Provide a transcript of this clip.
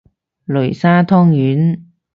擂沙湯圓